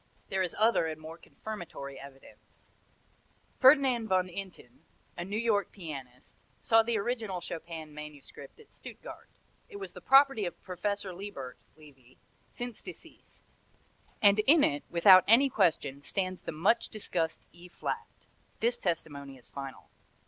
There is other and more confirmatory evidence. Ferdinand Von Inten, a New York pianist, saw the original Chopin manuscript at Stuttgart. It was the property of Professor Lebert (Levy), since deceased, and in it, without any question, stands the much discussed E flat. This testimony is final.